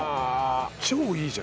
超いいじゃん。